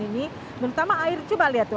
ini terutama air coba lihat tuh